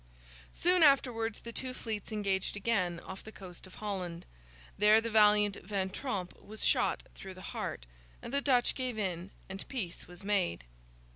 Soon afterwards, the two fleets engaged again, off the coast of Holland. There, the valiant Van Tromp was shot through the heart, and the Dutch gave in, and peace was made.